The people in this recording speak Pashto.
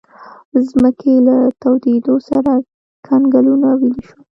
د ځمکې له تودېدو سره کنګلونه ویلې شول.